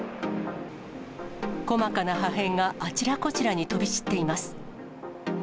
細かな破片があちらこちらに飛び散っています。